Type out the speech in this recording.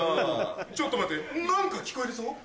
ちょっと待って何か聞こえるぞ。